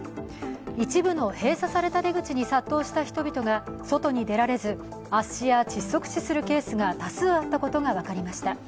一部の閉鎖された出口に殺到した人々が外に出られず圧死や窒息死するケースが多数あったことが分かりました。